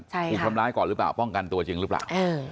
ถูกทำร้ายก่อนหรือเปล่าป้องกันตัวจริงหรือเปล่า